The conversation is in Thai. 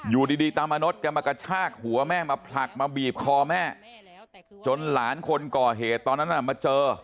อยู่ดีตามมานดแกมากระชากหัวแม่มาผลักมาบีบคอแม่จนหลานคนก่อเหตุตอนนั้นมาเจอ